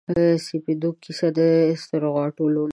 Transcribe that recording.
سپیدو کیسه د سروغاټولو